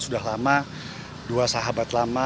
sudah lama dua sahabat lama